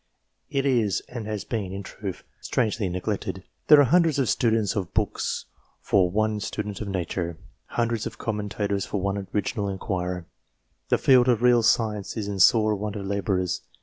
It is and has been, in truth, strangely neglected. There are hundreds of students of books for one student of nature ; hundreds of commentators for one original enquirer. The field of real science is in sore want of labourers.